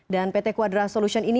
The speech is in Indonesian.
dan pt quadra solution ini